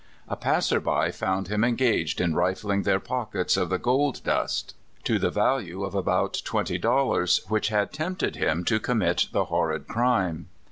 A passer by found him engaged in rifling their pockets of the gold dust, to the value of about twenty dollars, which had tempted him to commit the horrid crime.